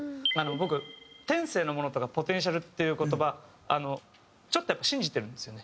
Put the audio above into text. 僕天性のものとかポテンシャルっていう言葉ちょっとやっぱり信じてるんですよね。